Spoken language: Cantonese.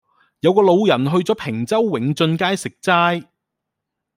有個老人去左坪洲永俊街食齋